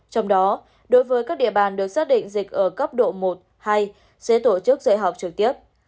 trong đó đối với các địa bàn được xác định dịch ở cấp độ một hai sẽ tổ chức dạy học trực tiếp